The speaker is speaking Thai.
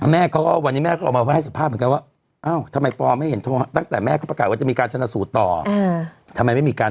แม่บอกโทรหาโทรคุยกันทุกวันใช่ไหมครับ